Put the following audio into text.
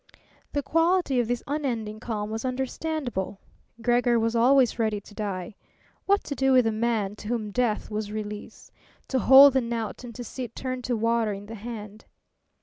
The quality of this unending calm was understandable: Gregor was always ready to die. What to do with a man to whom death was release? To hold the knout and to see it turn to water in the hand!